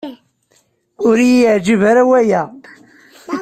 Ur yi-yeɛǧib ara waya.